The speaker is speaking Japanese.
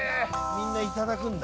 みんないただくんだ？